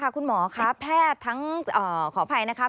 คุณหมอค่ะแพทย์ทั้งขออภัยนะคะ